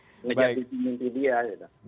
ngejati jati dia gitu